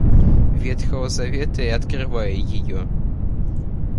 Ветхого Завета и открывая ее.